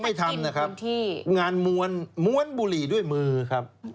ไม่ทำนะครับงานม้วนม้วนบุหรี่ด้วยมือครับ